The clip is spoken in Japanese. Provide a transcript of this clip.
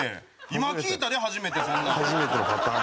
今聞いたで初めてそんなん。